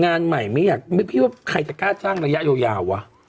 งานใหม่ไม่อยากไม่พี่ว่าใครจะกล้าจ้างระยะยาววะ